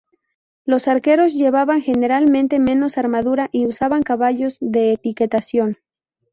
Los arqueros llevaban generalmente menos armadura y usaban caballos de equitación.